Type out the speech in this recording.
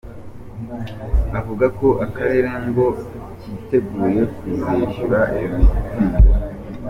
Avuga ko Akarere ngo kiteguye kuzishyura iyo mitungo.